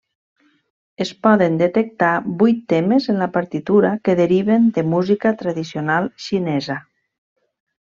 Es poden detectar vuit temes en la partitura que deriven de música tradicional xinesa.